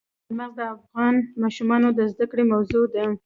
چار مغز د افغان ماشومانو د زده کړې موضوع ده.